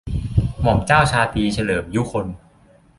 หม่อมเจ้าชาตรีเฉลิม ยุคล